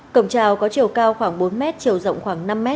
cổng trào có chiều cao khoảng bốn m chiều rộng khoảng năm m